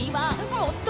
もっと！？